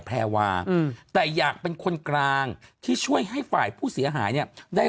แพรวาอืมแต่อยากเป็นคนกลางที่ช่วยให้ฝ่ายผู้เสียหายเนี่ยได้